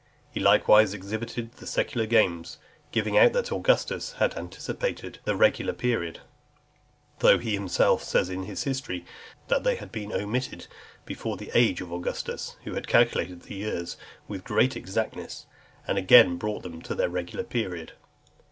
He likewise (313) exhibited the secular games , giving out that Augustus had anticipated the regular period; though he himself says in his history, "That they had been omitted before the age of Augustus, who had calculated the years with great exactness, and again brought them to their regular period."